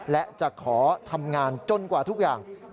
และจะขอทำงานจนกว่าทุกอย่างจะเรียบร้อย